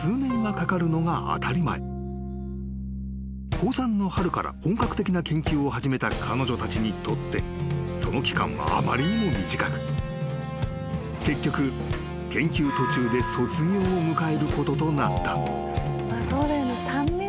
［高３の春から本格的な研究を始めた彼女たちにとってその期間はあまりにも短く結局研究途中で卒業を迎えることとなった］